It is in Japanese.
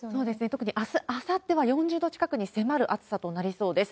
特に、あす、あさっては４０度近くに迫る暑さとなりそうです。